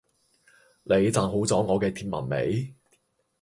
你讚好咗我嘅貼文未？